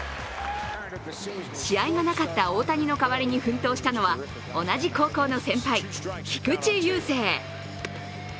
試合がなかった大谷の代わりに奮闘したのは同じ高校の先輩、菊池雄星。